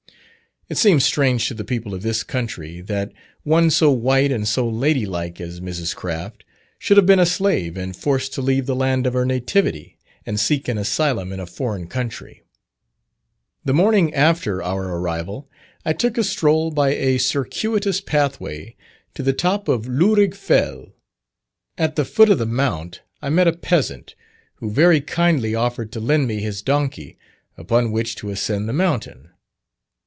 It seems strange to the people of this county, that one so white and so lady like as Mrs. Craft, should have been a slave and forced to leave the land of her nativity and seek an asylum in a foreign country. The morning after our arrival, I took a stroll by a circuitous pathway to the top of Loughrigg Fell. At the foot of the mount I met a peasant, who very kindly offered to lend me his donkey, upon which to ascend the mountain.